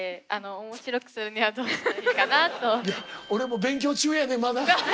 いや俺も勉強中やねんまだ。